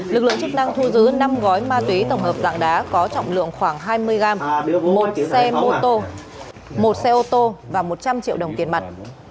lực lượng chức năng thu giữ năm gói ma túy tổng hợp dạng đá có trọng lượng khoảng hai mươi gram một xe mô tô một xe ô tô và một trăm linh triệu đồng tiền mặt